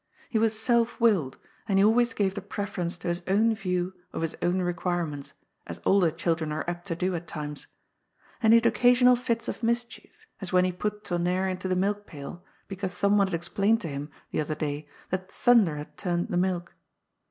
He was self willed, and he always gave the preference to his own view of his own requirements, as older children are apt to do at times. And he had occasional fits of mischief, as when he put Tonnerre into the milk pail, because someone had explained to him the other day that thunder had turned the milk.